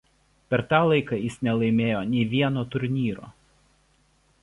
Per tą laiką jis nelaimėjo nei vieno turnyro.